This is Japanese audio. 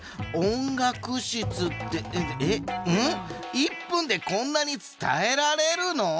１分でこんなに伝えられるの？